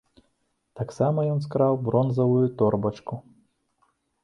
Таксама ён скраў бронзавую торбачку.